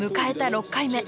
６回目。